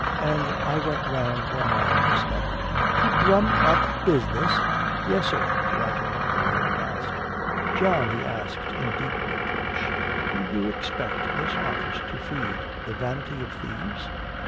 And I went around one night this month " "To drum up business?" "Yes, sir." Roger looked at him aghast. "John," he asked, in deep reproach, "do you expect this office to feed the vanity of thieves?"